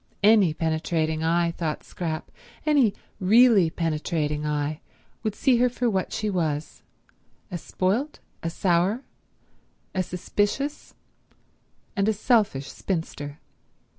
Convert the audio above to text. Any penetrating eye, thought Scrap, any really penetrating eye, would see her for what she was—a spoilt, a sour, a suspicious and a selfish spinster.